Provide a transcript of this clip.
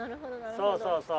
・そうそうそう。